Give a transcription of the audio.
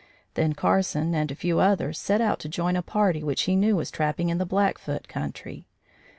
Then Carson and a few others set out to join a party which he knew was trapping in the Blackfoot country.